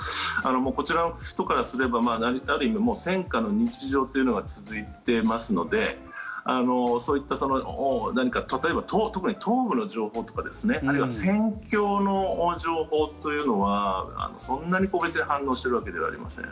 こちらの人からすればある意味戦渦の日常というのが続いてますのでそういった何か例えば特に東部の情報とかあるいは戦況の情報というのはそんなに個別に反応しているわけではありません。